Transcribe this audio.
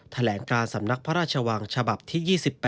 แถลงการสำนักพระราชวังฉบับที่๒๘